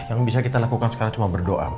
yang bisa kita lakukan sekarang cuma berdoa